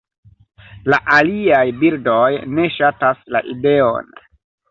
La aliaj birdoj ne ŝatas la ideon.